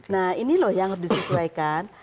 nah ini loh yang harus disesuaikan